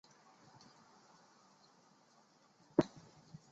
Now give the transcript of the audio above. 对富纳角箱鲀的繁殖的研究很彻底。